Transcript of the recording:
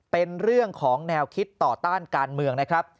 เป็นเรื่องของแนวคิดต่อต้านการเมืองนะครับ